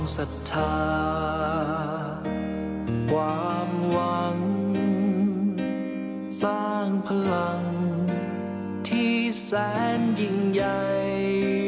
สร้างหวังสร้างพลังที่แสนยิ่งใหญ่